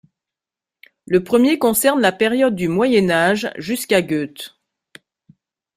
Le premier concerne la période du Moyen Âge jusqu'à Goethe.